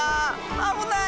あぶない！